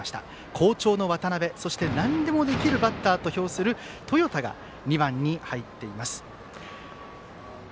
好調の渡邊、そしてなんでもできるバッターと評する豊田が２番に入っています。